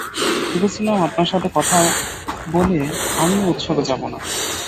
ভেবেছিলাম আপনার সাথে কথা বলে আমিও উৎসবে যাব না।